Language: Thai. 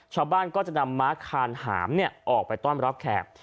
ชาวบ้านก็จะนำม้าคานหามออกไปต้อนรับแขก